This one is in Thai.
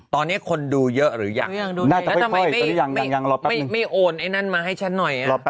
ตอนนี้คนดูเยอะหรือยังล่ะ